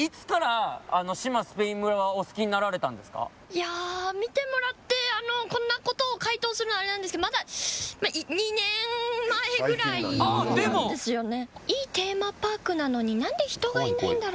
いや見てもらってこんなことを回答するのあれなんですけどまだと思ったのがきっかけだったんですよね。